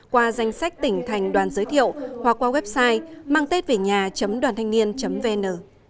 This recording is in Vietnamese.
qua danh sách tỉnh thành đoàn giới thiệu hoặc qua website mangtếtvềnhà doanthanhniên vn